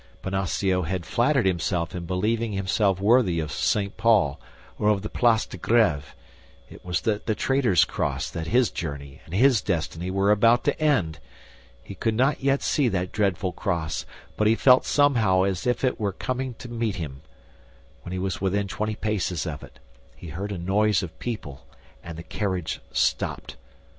Bonacieux had flattered himself in believing himself worthy of St. Paul or of the Place de Grêve; it was at the Traitor's Cross that his journey and his destiny were about to end! He could not yet see that dreadful cross, but he felt somehow as if it were coming to meet him. When he was within twenty paces of it, he heard a noise of people and the carriage stopped.